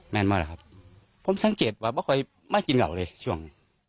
มั่นแบบผมสังเกตว่ามากนะคราวป่าวเลยช่วง